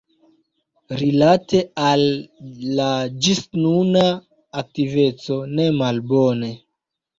Rilate al la ĝisnuna aktiveco, ne malbone.